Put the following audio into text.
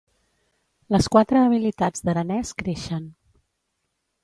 Les quatre habilitats d’aranès creixen.